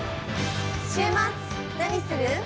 週末何する？